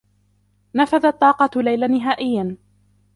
نفذت طاقة ليلى نهائيّا.